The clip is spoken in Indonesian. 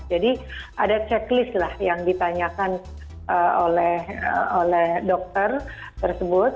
ada checklist lah yang ditanyakan oleh dokter tersebut